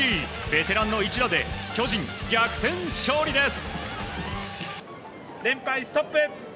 ベテランの一打で巨人、逆転勝利です。